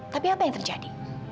tapi apa yang terjadi